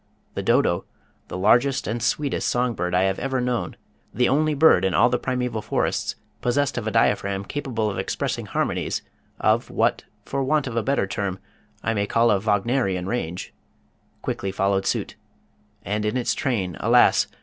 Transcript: The Dodo, the largest and sweetest song bird I have ever known, the only bird in all the primeval forests possessed of a diaphragm capable of expressing harmonies of what for want of a better term I may call a Wagnerian range, quickly followed suit, and in its train, alas!